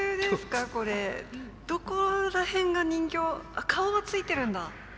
どこら辺が人形あ顔はついてるんだ。